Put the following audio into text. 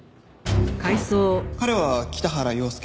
彼は北原陽介。